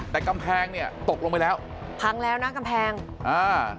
แต่กำแพงเนี่ยตกลงไปแล้วพังแล้วนะกำแพงอ่า